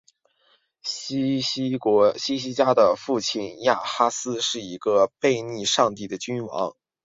希西家的父亲亚哈斯是一个背逆上帝的君王。